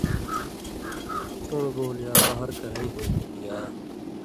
چُون٘ڑ بول یا بَہر کَرَیں ہِن یا